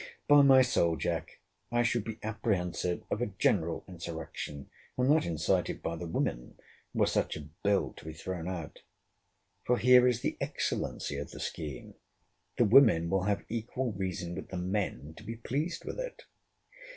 By my soul, Jack, I should be apprehensive of a general insurrection, and that incited by the women, were such a bill to be thrown out.—For here is the excellency of the scheme: the women will have equal reason with the men to be pleased with it.